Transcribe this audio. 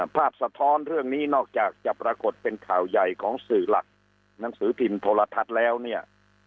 สะท้อนเรื่องนี้นอกจากจะปรากฏเป็นข่าวใหญ่ของสื่อหลักหนังสือพิมพ์โทรทัศน์แล้วเนี่ย